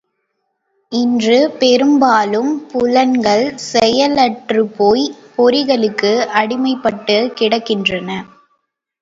இன்று பெரும்பாலும் புலன்கள் செயலற்றுப்போய்ப் பொறிகளுக்கு அடிமைப்பட்டுக் கிடக்கின்றன.